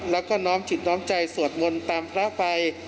แล้วก็น้อมจิตน้อมใจสวดมนต์ตามพระไป